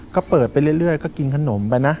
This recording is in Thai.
ก็เปิดไปเรื่อยก็กินขนมไปนะ